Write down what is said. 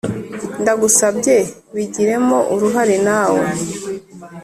Ndagusabye bigiremo uruhare nawe